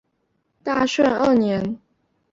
是一款由万代制作和发行的平台游戏。